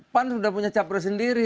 pan sudah punya capres sendiri